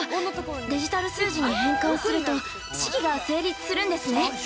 デジタル数字に変換すると式が成立するんですね。